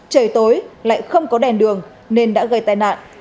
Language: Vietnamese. trời tối lại không có đèn đường nên đã gây tai nạn